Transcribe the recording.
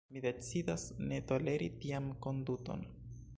Mi decidas, ne toleri tian konduton.